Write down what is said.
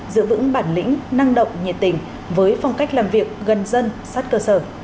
giữ vững bản lĩnh năng động nhiệt tình với phong cách làm việc gần dân sát cơ sở